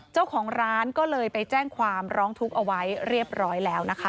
เจ้าของร้านก็เลยไปแจ้งความร้องทุกข์เอาไว้เรียบร้อยแล้วนะคะ